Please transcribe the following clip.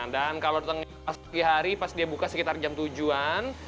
dan kalau ditangkap sehari pas dia buka sekitar jam tujuh an